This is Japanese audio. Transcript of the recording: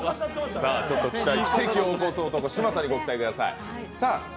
軌跡を起こす男、嶋佐にご注目ください。